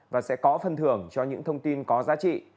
và sẽ có phân thưởng cho những thông tin có giá trị